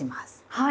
はい。